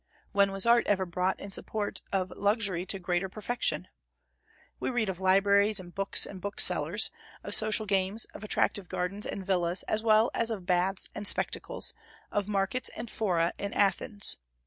When was art ever brought in support of luxury to greater perfection? We read of libraries and books and booksellers, of social games, of attractive gardens and villas, as well as of baths and spectacles, of markets and fora in Athens.